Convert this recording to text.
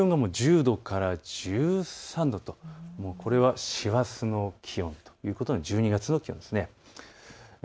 日中の気温が１０度から１３度とこれは師走の気温ということで１２月の気温です。